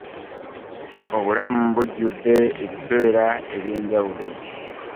Obulamu bujudde ebiseera ebye njawulo.